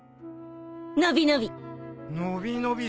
伸び伸び。